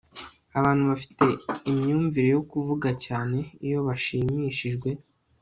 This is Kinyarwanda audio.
abantu bafite imyumvire yo kuvuga cyane iyo bashimishijwe